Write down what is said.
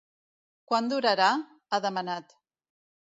Quant durarà?, ha demanat.